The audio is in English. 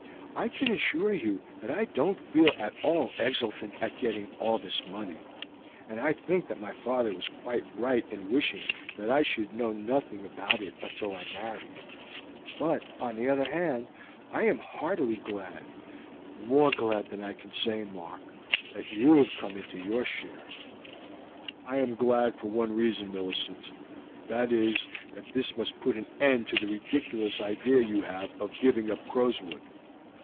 I can assure you that I don't feel at all exultant at getting all this money, and I think that my father was quite right in wishing that I should know nothing about it until I married; but, on the other hand, I am heartily glad, more glad than I can say, Mark, that you have come into your share." "I am glad for one reason, Millicent; that is, that this must put an end to the ridiculous idea you have of giving up Crowswood.